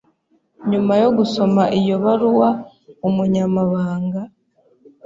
Nyuma yo gusoma iyo baruwa, Umunyamabanga